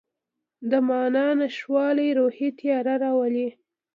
د معنی نشتوالی روحي تیاره راولي.